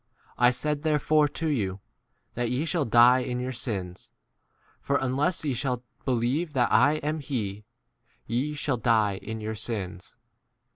I said therefore to you, that ye shall die in .your sins ; for unless ye shall believe that I " am 5 [he], ye shall die in your sins.